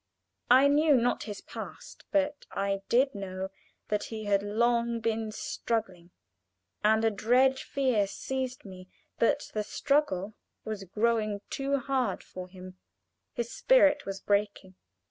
I knew not his past; but I did know that he had long been struggling, and a dread fear seized me that the struggle was growing too hard for him his spirit was breaking.